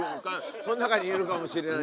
こん中にいるかもしれない。